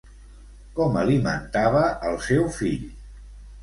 Com alimentava el seu fill?